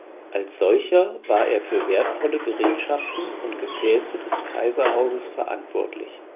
Als solcher war er für wertvolle Gerätschaften und Gefäße des Kaiserhauses verantwortlich.